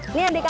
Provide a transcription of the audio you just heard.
ini yang dekat